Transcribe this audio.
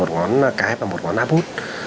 một ngón cái và một ngón áp út